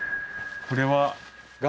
これは。